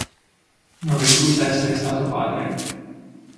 Non risulta essere stato padre.